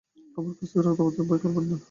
আমার কাছ থেকে রক্তপাতের ভয় করবেন না।